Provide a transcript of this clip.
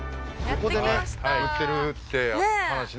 ここで売ってるって話。